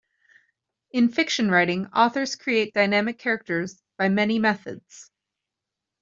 In fiction writing, authors create dynamic characters by many methods.